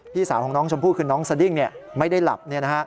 สาวของน้องชมพู่คือน้องสดิ้งไม่ได้หลับ